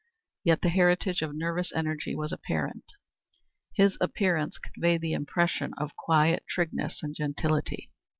Yet the heritage of nervous energy was apparent. His appearance conveyed the impression of quiet trigness and gentility.